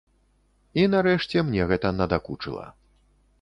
І нарэшце мне гэта надакучыла.